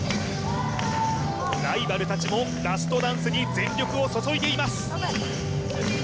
ライバル達もラストダンスに全力を注いでいます